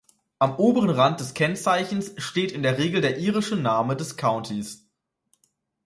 Am oberen Rand des Kennzeichens steht in der Regel der irische Name des Countys.